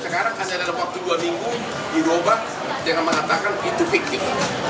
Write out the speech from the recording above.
sekarang hanya dalam waktu dua minggu diroba jangan menatakan itu fikir